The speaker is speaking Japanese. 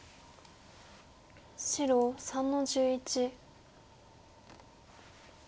白３の十一。